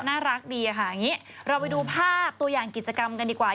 น่ารักดีค่ะอย่างนี้เราไปดูภาพตัวอย่างกิจกรรมกันดีกว่า